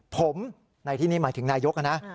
ผมในที่นี่หมายถึงนายกนะ